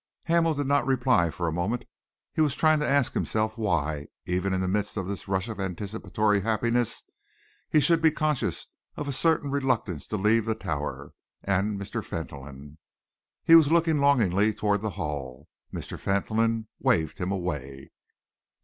Hamel did not reply for a moment. He was trying to ask himself why, even in the midst of this rush of anticipatory happiness, he should be conscious of a certain reluctance to leave the Tower and Mr. Fentolin. He was looking longingly towards the Hall. Mr. Fentolin waved him away.